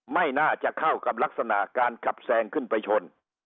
ไม่น่าจะเข้ากับลักษณะการขับแซงขึ้นไปชน